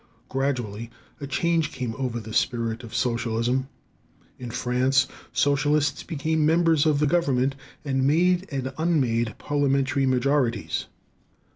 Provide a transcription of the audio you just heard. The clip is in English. Gradually a change came over the spirit of socialism. In France, socialists became members of the government, and made and unmade parliamentary majorities.